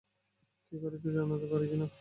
কে করেছে জানতে পারিনি কখনো।